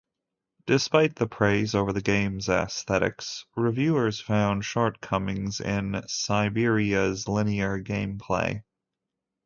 Despite the praise over the game's aesthetics, reviewers found shortcomings in "Cyberia's" linear gameplay.